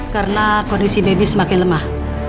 karena kondisi baby semakin lemah